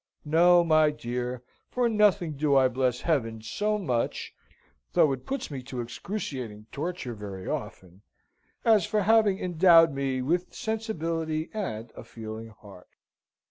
"No, my dear! For nothing do I bless Heaven so much (though it puts me to excruciating torture very often) as for having endowed me with sensibility and a feeling heart!"